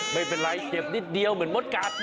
ไม่เป็นไรเจ็บนิดเดียวเหมือนมดกัด